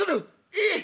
「ええ。